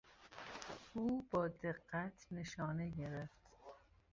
او با دقت نشانه گرفت.